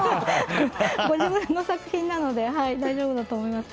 ご自分の作品なので大丈夫だと思います。